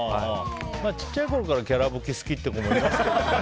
小さいころからきゃらぶき好きっていう人もいますからね。